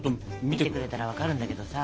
見てくれたら分かるんだけどさ。